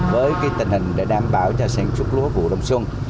với tình hình để đảm bảo cho sản xuất lúa vụ đông xuân